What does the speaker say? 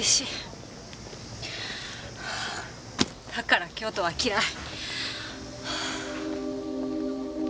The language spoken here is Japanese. だから京都は嫌い。